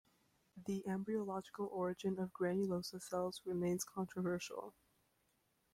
The embryological origin of granulosa cells remains controversial.